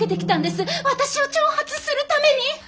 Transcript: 私を挑発するために！